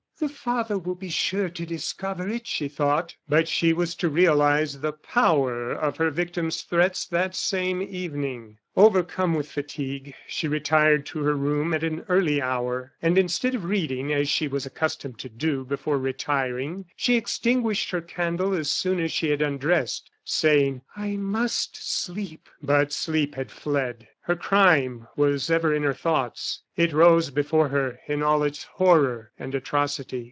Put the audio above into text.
"The father will be sure to discover it," she thought. But she was to realize the power of her victim's threats that same evening. Overcome with fatigue, she retired to her room at an early hour, and instead of reading, as she was accustomed to do before retiring, she extinguished her candle as soon as she had undressed, saying: "I must sleep." But sleep had fled. Her crime was ever in her thoughts; it rose before her in all its horror and atrocity.